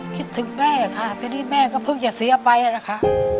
คิดถึงแม่ค่ะทีนี้แม่ก็เพิ่งจะเสียไปนะคะ